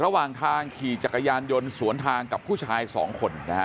ระหว่างทางขี่จักรยานยนต์สวนทางกับผู้ชายสองคนนะฮะ